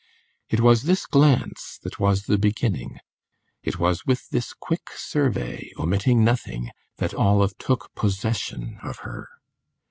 It was this glance that was the beginning; it was with this quick survey, omitting nothing, that Olive took possession of her.